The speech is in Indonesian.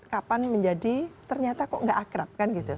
kapan menjadi ternyata kok tidak akrab